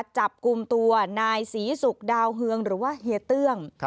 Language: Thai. จับกลุ่มตัวนายศรีศุกร์ดาวเฮืองหรือว่าเฮียเตื้อง